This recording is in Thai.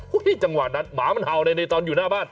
จังหวะนั้นหมามันเห่าเลยในตอนอยู่หน้าบ้าน